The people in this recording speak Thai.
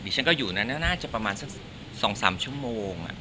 ฉันก็อยู่น่าจะประมาณสัก๒๓ชั่วโมง